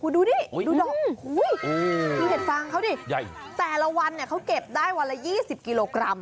กูดูดิเห็ดฟางเขาดีแต่ละวันเห็ดฟางเขาเก็บได้วันละ๒๐กิโลกรัม